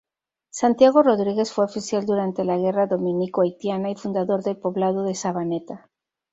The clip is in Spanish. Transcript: Santiago Rodríguez fue oficial durante la Guerra Domínico-Haitiana y fundador del poblado de Sabaneta.